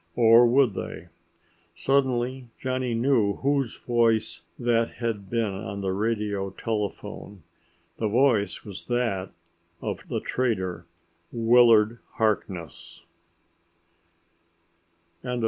Or would they? Suddenly Johnny knew whose voice that had been on the radio telephone. The voice was that of the trader, Willard Harkness!